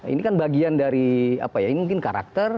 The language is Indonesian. ini kan bagian dari apa ya ini mungkin karakter